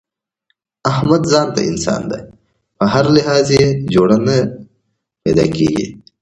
احمد ځانته انسان دی، په هر لحاظ یې جوړه نه پیداکېږي.